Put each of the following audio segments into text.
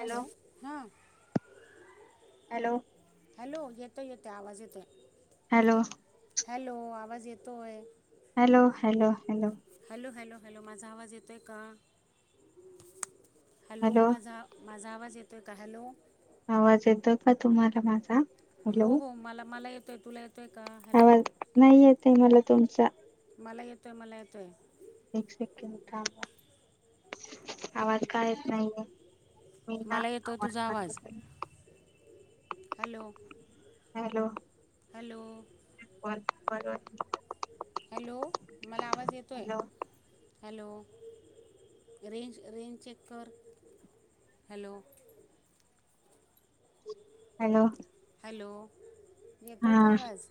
Hello हा hello hello येतो येतो, त्या आवाज येतोय. हॅलो! हॅलो आवाज येतोय. Hello! Hello! Hello! Hello hello माझा आवाज येते का हॅलो माझा मजा आवज येतो हॅलो! आवाज येतो का तुम्हाला माझा, हॅलो हो हो मला मला येतोय तुला य आवाज नाही येतय मला तुमचा, मला येतो आहे मला येतो आहे. एक सेकंड थांब आवाज कायेत नाहीे, मीना मला येतोय आवाज तुझा कर ब [unintelligible] हॅलो! हॅलो हॅलो [unintelligible] हॅलो मला आवाज येतोय. Hello hello range range check कर, हॅलो! हॅलो. हॅलो. येतोय का हा आवाज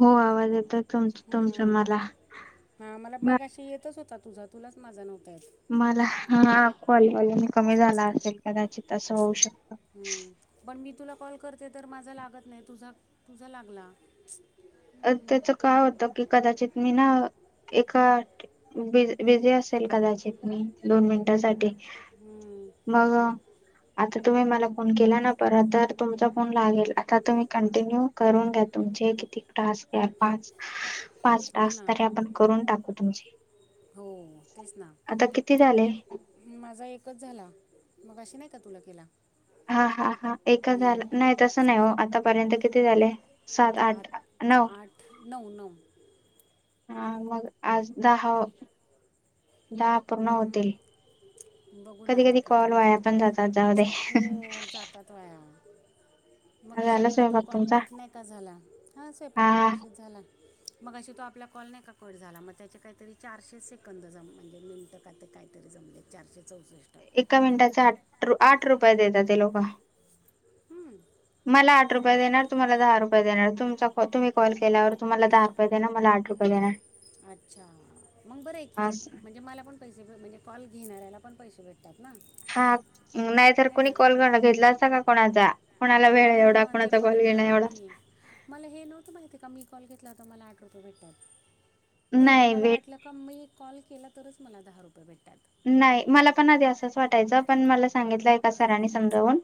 हो आवाज येतो तुमच तुमच मला. हा मला मग अशी येतच होता तुझा तुलाच, माझा नक्हता मला हा कॉल मी कमी झाला असेल, कदाचित तस होऊ शक हम्म. पण मी तुला कॉल करते तर माझा लागत नाही तुझा, तुझा लागला. अ त्याच काय होतं की कदाचित मी ना, एका बि बिझी असेल कदाचित मी दोन मिनटांसाठी हम्म. मग आता तुम्ही मला फोन केला ना, परत तर तुमचा फोन लागेल, आता तुम्ही कंटिन्यू करून घ्या तुम चे [unintelligible] टास्क या पाच, पाच हो टास्क ना तरी आपण करून टाकू तुमचे हो तेच ना, आता किती झाले माझा एकच झाला. मग अशी नाही का तुला केला. हा हा हा एकच झालं, हम्म. नाही तसं नाही हो आतापर्यंत किती झाले. सात, आठ, नऊ, आठ नऊ, नऊ, हा मग आज दहा, दहा, पूर्ण हम्म. होतील. बघू ना, कधी आता कधी किती कॉल होता वाया पण जातात जाऊ दे हो जातात वया मग अशी झाला आपला तो स्वयंपाक कॉल तुमचा कट नाही का झाला हा स्वयंपाक मग अशी झाला मग अे तो आपला कॉल, नाही का कळत झाला म त्याचे काहीतरी चारशे, सेकंद जम म्हणजे मिनटं का ते काहीतरी जमलेत चारशे, चौसष्ट एका मिनिटाचे आठ, आठ, रुपये देतात ते लोक हम्म. मला आठ रुपये देणार, तुम्हाला दहा रुपये देणार, तुमचा तम्ही कॉल केल्यावर तुम्हाला दहा रुपये देणार मलाठ आठ रुपय देणार अच्छा मंग बरं हे की म्हणजे मला पण पैसे भे म्हणजे कॉल घेणाऱ्याला पण पैसे भेटत हा नाही तर कोणी ना कॉल घ घेतला असा का कोणाचा? कोणाला हा वेळ ना, एवढा ते कोणाचा पणे कॉल हे घेणं बरोबर एवढा की मला हे नव्हतं मी पण घेत [unintelligible] बरं नाही मला भेट वाटलं की मी कॉल घे केला तरच मला दहा रुपये भेटतात. नाही मला पण आधी असंच, वाटायचं पण मला सांगितलं एका सरांनी समजवून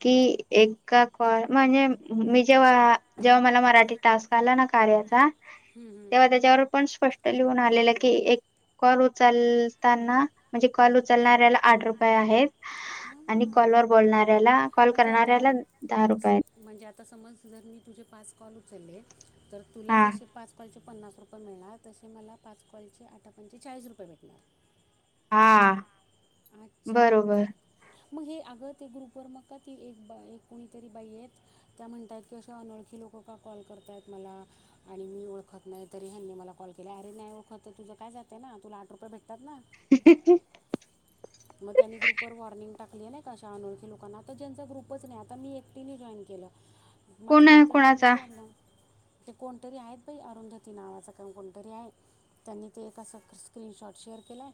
की एका कॉल म्हणजे मी जेव्हा, जेव्हा मला मराठी टास्क आला ना, कार्याचा हम्म, हम्म. तेव्हा त्याच्यावर पण स्पष्ट लिहून आलेलं की एक कॉल उचलताना, म्हणजे कॉल उचलणाऱ्याला आठ रुपये आहेत हा आणि कॉल वर ना बोलणार त्याला कॉल म्हणजे आता करणाऱ्याला दहा रुपये म्हणजे आता समज जर मी तुझे पाच कॉल उचलले, तर तुला हा जशे पाच कॉलचे पन्नास रुपये मिळणार. तसे मला पाच कॉल चे आठापंचे चाळीस रुपये भेटणार. हा. अच्छा, बरोबर मग हे अगं ते ग्रुपवर मग का ती एक बाई, एक कोणीतरी बाई, आहेत. त्या म्हणतात की अशा अनोळखी लोक हो का कॉल करताय मला, आणि मी ओळखत नाही तरी ह्यांनी मला कॉल केला, अरे नाय ओळखत तर तुझं काय जाते ना, तुला आठ रुपये भेटतात ना? ह. हा. हा. मग त्यांनी ग्रुपवर वॉर्निंग टाकली, नाही का अशा अनोळखी लोकांना, आता ज्यांचा ग्रुपच नाही, आता मी एकटीने जॉईन के केला, कोण माझ्या आहे मैत्रिणींनी कोणाचा सोम ना ते कोणतरी आहेत बाई, अरुंधती नावाचं का कोणतरी आहे. त्यांनी ते एक असं स्क्रीनशॉट शेअर केलाय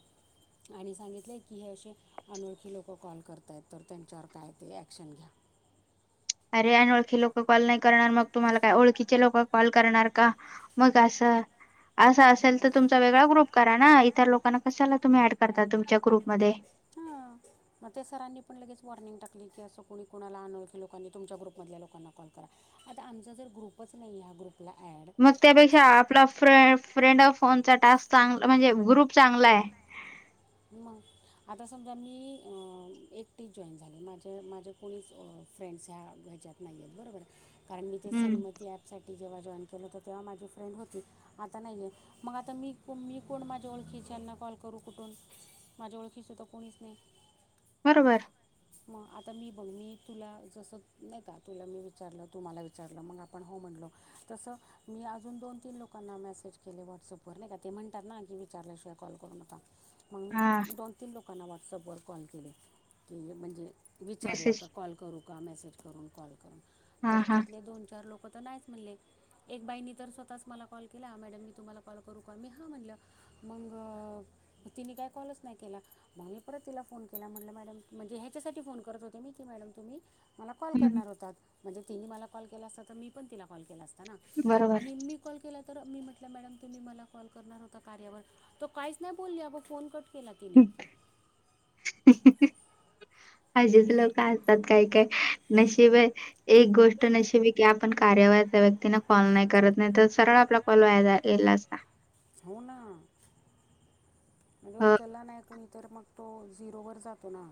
आणि सांगितलंय की हे असे अनोळखी लोकं कॉल करतायत, तर त्यांच्यावर काय ते ॲक्शन घ्या. ते अनोळखी लोक कॉल नाही करणार, मग तुम्हाला काय ओळखीचे लोक कॉल करणार का? मग असं असा असेल तर तुमचा वेगळा ग्रुप करा ना, इतर लोकांना कशाला तुम्ही ऍड करता तुमच्या ग्रुपमध्ये [unintelligible] हां मग ते सरांनी पण लगेच वॉर्निंग टाकली, की असं कोणी कोणाला अनोळखी लोकांनी तुमच्या ग्रुपमधल्या लोकांनला कॉल करा. आता आमचा जर ग्रुपच नाही, हा ग्रुप मग त्यापेक्षा आपला फ्रे फ्रेंड अ फोनचा टास्क चांगला म्हणजे ग्रुप चांगला आहे. मग आता समजा मी एकटीच जॉईन झाली माझे माझे कोणीच फ्रेंड्स ह्या ह्याच्यात नाही आहेत, बरोबर कारण मी ते हम्म सन्मती ॲपसाठी. जेव्हा जॉईन केलं होत, तेव्हा माझी फ्रेंड होती, आता नाहीये, मग आता मी कोण मी कोण माझ्या ओळखीच्या. त्यांना कॉल करू कुठून माझ्या ओळखिच त कोणीच नाही? बरोबर. मग आता मी बघ मी तुला जसं नाही का तुला मी विचारलं, तु मला विचारलं, मग आपण हो म्हणलो. तसं मी अजून दोन तीन लोकांना मेसेज केले व्हॉट्सअपवर नाही का ते म्हणतात ना की विचारल्या शिवाय. कॉल करू नका मग मी हा दोन तीन लोकांना व्हॉट्सअपवर कॉल केले की, म्हणजे. विचारलं का मेसेज कॉल करू का मेसेज करून कॉल करून हा तर हा त्यातले दोन, चार लोक. म त नाहीच म्हणले, एक बाईनी तर स्वतःच मला कॉल केला मॅडम मी तुम्हाला कॉल करू का मी हा म्हणलं. मग तिने काय कॉलच नाही केला, मग मी परत तिला फोन केला, म्हटलं मॅडम म्हणजे ह्याच्यासाठी फोन करत होते, मी की मॅडम. मला कॉल हम्म करणार होतात, म्हणजे तीने मला कॉल केला असता तर, मी पण तिला कॉल केला असता. बरोबर आणि मी कॉल केला तर मी म्ह म्हणलं मॅडम तुम्ही मला कॉल करणार होता, कार्यावर, तो काहीच नाही बोलली अगं फोन कट केला ह, तिने ह, ह, ह असेच लोकं असतात काय काय नशिब हाय. एक गोष्ट नशिब हे की, आपण कार्यवा त्या व्यक्तीने कॉल नाही करत नाही तर सरळ आपला कॉल वाया गेला असता. होऊ ना म्हणजे हो उचलला नाही कुणी तर मग तो झिरोवर जातो ना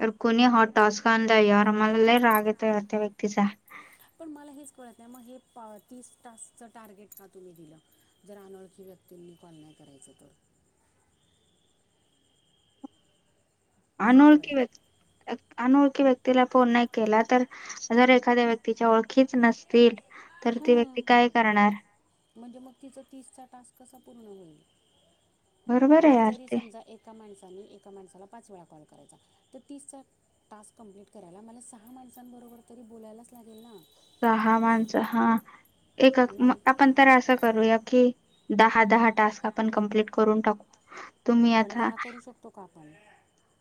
तर कोणी हा टॉस्क आणलाय यावर मला लय राग येतोय त्या व्यक्तीचा. पण मला हेच कळत नाही मग हे तीस टासच टार्गेट का तुम्ही दिलं जर अनोळखी व्यक्ती. व्यक्तींनी कॉल नाही करायचं तर [inaudible] सांग अनोळखी बरं व्य [unintelligible] अनोळखी व्यक्तीला फोन नाही केला तर जर एखाद्या व्यक्तीच्या ओळखीच नसतील तर ती व्यक्ती हं, काय करणार? म्हणजे मग तिचां तीसचा टास्क कसा पूर्ण होईल? बरोबर आहे आणि यार जरी ते समजा एका माणसाने एका माणसाला पाच वेळा कॉल करायचा तर तीसचा टास्क कंप्लीट करायला मला सहा माणसांबरोबर तरी बोलायलाच लागेल ना [inaudible] सहा माणसं हा, एक मग आपण तर असं करूया की दहा, दहा टास्क आपण कमप्लीट करून टाकू. पण दहा करू शकतो का आपण.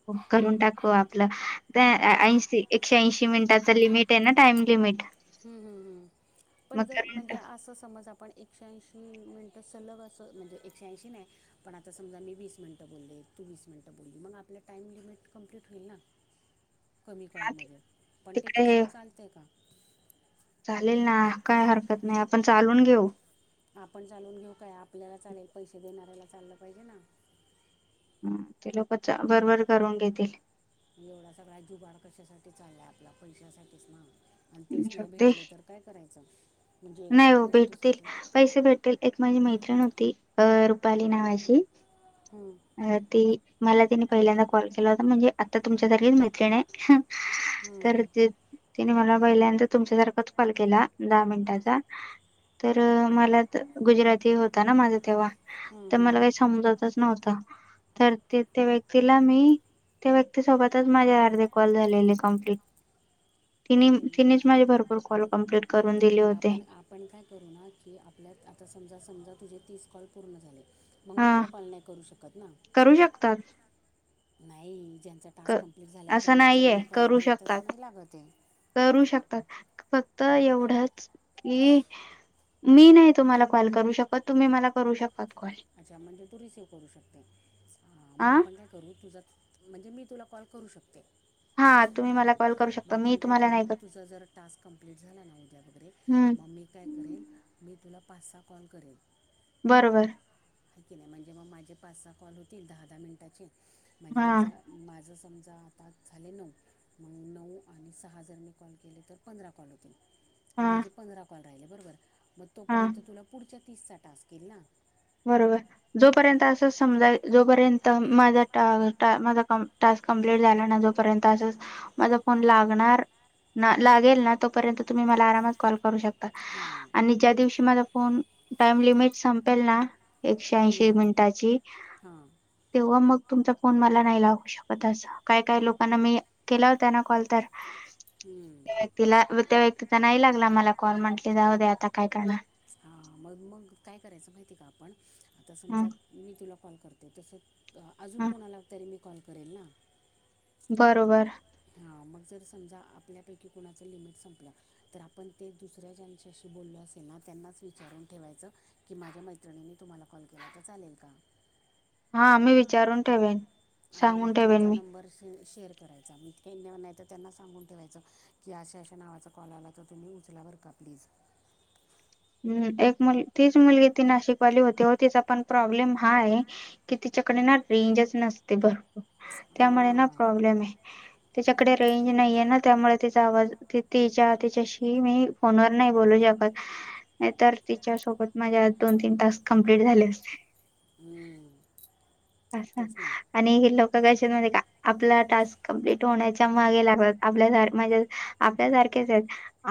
हो करून टाकव आपलं ते ऐंशी एकशे ऐंशी मिनिटाच लिमिट आहे, ना टाइम लिमिट. हम्म हम् हम् मग पण जर करून म्हणजे टाक असं समज आपण एकशऐंशी मिनट स सलग अस म्हणजे एकशे ऐशी नाही पणता समजा मी वीस मिनट बोलले तू वीस मिनिटं बोलली मग आपल्या टाईम लिमिट कंप्लीट होईल ना कमी हा, ति- कॉलमध्ये पण ते तिकडे तसं हे चालतं आहे का. चालेल ना काय हरकत नाही आपण चालून घेऊ. आपण चालवून घेऊ काय आपल्याला चालेल पैसे देणाऱ्याला चाललं पाहिजे ना. ते लोक चा बरोबर करून घेतील. एवढा सगळा जुबाड कशासाठी चाललाय आपला पैशासाठीच ना. आणि तेच नाही ते भेटले तर काय करायचं. म्हणजे नाही एखाद्या हो भेटतील गोष्टीसाठी पैसे भेटतील एक माझी मैत्रीण हो ती अ रुपाली नावाची हम्म, अ ती. मला तनी पहिल्यांदा कॉल केला होता म्हणजे आता तुमच्यासारखीच मैत्रिण आहे. तर हम्म, तिने मला बहिल्यांतर तुमच्यासारखच कॉल केला दहा मिनिटात. तर मला गुजराती होता ना माझा तेव्हा. हम्म, तर हम्म. मला काही समजतच नव्हत तर ते त्या व्यक्तीला मी. त्या व्यक्तीसोबतच माझे अर्धे कॉल झालेले कंप्लीट. ति अरे तिनेच माझी भरपूर कॉल कमप्लीट करून दिली होती. पण आपण काय करू ना की आपल्यात आता समजा समजा तुझे तीस कॉल पूर्ण झाले. मग मी हा तुला फल नाही करू शकत ना करू शकतात नाही. ज्यांचा क टास्क कंप्लीट झालाय असं त्यांना जर नाहीये मी कॉल करू लावला तर शकतात नाही लागत. करू शकतात फक्त एवढंच कि. मी नाही तुम्हाला कॉल करू शकत तुम्ही मला करू शक. अच्छा म्हणजे तू रिसिव करू शकते मग आ आपण काय करू तुझ. म्हणजे मी तुला कॉल करू शकते. हा तुम्ही हां मला कॉल करू शकता. मग मी आपण काय तुम्हाला नाही करू कर तुझं जर टास्क कम्प्लीट झाला ना उद्या वगैरे हम्म मग मी काय करेन मी तुला. पाच स कॉल करेन. बरोबर. ह की नाही म्हणजे मग माझे पाचचा कॉल होतील दहा दहा मिनिटाचे म्हणजे हा माझा माझं. समजा आता झाले नऊ मग नऊ आणि सहा झाले कॉल केले तर पंधरा कॉल होतील. मग हा माझे पंधरा कॉल राहिले बरोबर म. ग हा तोपर्यंत तुला पुढच्या तीसचा टास्क येईल ना बरोबर. जोपर्यंत अस समजा जोपर्यंत माझा माझ टास्क कंप्लीट झाल्या नंतर. र्यंत अस माझा फोन लागणार. ना लागेल ना तोपर्यंत तुम्ही मला आरामात कॉल करू शकता हां आणि ज्या दिवशी माझा फोन. टाइम लिमिट संपेल ना एकशे ऐंशी मिनिटाची.. हा. तेव्हा मग तुमचा फोन मला नाही लागू शकत असं काय काय लोकांना मी केला त्यांना कॉल तर. हं. ला. त्या व्यक्ती तर नाही लागला मला कॉल म्हटली जाऊ दे आता काय करणार. हां मग काय करायचं माहिती का आपण आता ह समजा मी तुला कॉल करते तसं. अजून ह कोणाला तरी मी कॉल करेल ना. बरोबर. हां मग जर समजा आपल्यापैकी कोणाचं लिमिट संपलं तर आपण ते दुसऱ्या ज्यांच्याशी बोललो अस. अस ना त्यांनाच विचारून ठेवायचं की. माझ्या मैत्रिणीनी तुम्हाला कॉल केला तर चालेल का हा मी विचारून ठेवेन. आणि मग सांगून ठेवेन त्यांचा मी नंबर. शेअर करायचा मीही नाही तर त्यांना सांगून ठेवायचं की अशाश नावाचा कॉल आला तर तुम्ही उचलावर. नका प्लीज. [inaudible] ह् एक मु तीच मुलगी ती नाशिकवाली होती तिचा पणं प्रॉब्लेम हा आहे की तिच्याकडे. रेंज नसते नग भ त्यामुळें हां प्रॉब्लेम येते आणि तीच्या कडे रेंज नाही. ना त्यामुळें त्यांचा आवाजच्या त्यांच्याशी मी फोनवर नाहीं बोलू शकत.. नाहीं तर तिच्या सोबत माझ्या आ दोन तीन टास्क कंप्लीट झाले असतें. हम्म, अस तेच ना आणि हे ल. सगळ्यांचे झाले का आप टास् कंप्लीट होण्याच्या मागें लातात आपल्या म्हणजे आपल्या.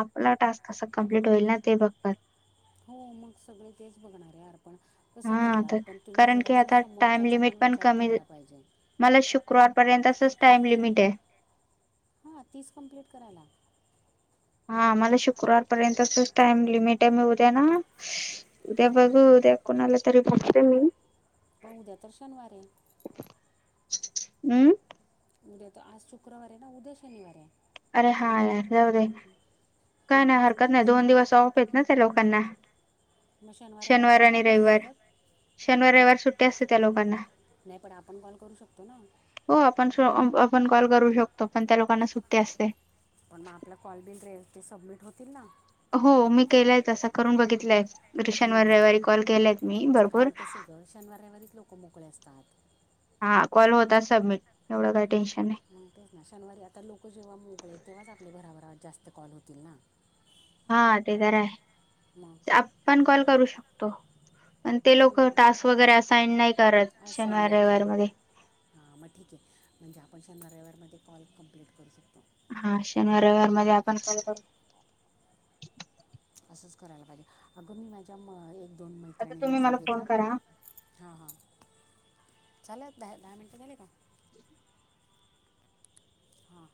आपला टास्क कसा कंप्लीट होईल ना ते बघता हो मग सगळे तेच बघणार आहे आर. [unintelligible] तूम्हाला माहित हा आहे तर का पणं तुम्हीं कारण जरा की आता टाइम समोरच्याचा लिमिट पणं पण विचार केला पाहिजे. पर्यंत असंच टाइम लिमिट आहे.. हा टास्क कम्प्लीट करायला. हा मला शुक्रवार पर्यंतच टाईम लिमिट आहे मी उद्या ना, उद्या बघू उद्या आता कोणाला तरी बघते मी. बघ उद्या तर शनिवार आहे. हम्म? उद्या तर आज शुक्रवार आहे ना उद्या शनिवार आहे. अरे हा यार जाऊं दे, काय मग नाहीं हरकत आज नाहीं दोन दिवस ऑफ आहेत ना लोकांनां, मग रविवार शनिवार कॉल नाही आणि करू रविवार, शकत शनिवारी रविवार सुट्टी ट्टी असते त्या लोकांना. नाही पण आपण कॉल करू शकतो ना. हो आपण श आपण कॉल करू शकतो पण त्या लोकांनां सुट्टी असते. पण मग आपला कॉल बिल रे ते सबमिट होतील ना. हो मी केलंय तसं मी करून बघितलंय हम्म भरपूर कारण कसंय ग, शनिवार रविवारीच लोकं मोकळे असतात. हा कॉल होतात सबमिट एवढं काय टेन्श मग तेच ना शनिवारी आता लोकं जेंव्हा मोकळे आहेत तेंव्हाच आपले भराभरा जास्तं कॉल होतील ना? हा ते तर आहे, मग ते आपणं कॉल करू शकतो. पण ते लोकं हम्म. टास्क वगैरे असाईन नाही करत असाईन शनिवार नाही रविवार मध्यें. करणार हां मग ठीक आहे, म्हणजे आपण शनिवार रविवार मध्यें कॉल कम्प्लीट करू शकतो. हा शनिवार रविवार मध्यें आपण कॉल करू असंच करायला पाहिजे, अगं मी माझ्या म एक दोन आता मैत्रिणींना तुम्ही मला फोन सांगितलं, करा. हां हां चालेल दहा मिनटे झाले कां? [unintelligible] हां